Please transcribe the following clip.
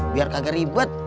biar kagak ribet